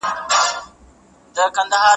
که مجازي مواد تازه وي، معلومات زاړه نه پاته کېږي.